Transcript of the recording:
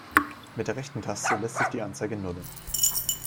Mit der rechten Taste lässt sich die Anzeige nullen.